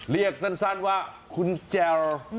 เรียกสั้นว่าคุณแจว